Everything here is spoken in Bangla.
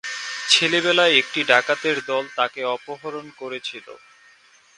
ছেলেবেলায় একটি ডাকাতের দল তাকে অপহরণ করেছিল।